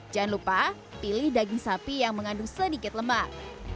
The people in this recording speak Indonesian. jangan lupa pilih daging sapi yang mengandung sedikit lemak